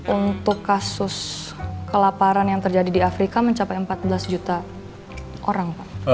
untuk kasus kelaparan yang terjadi di afrika mencapai empat belas juta orang pak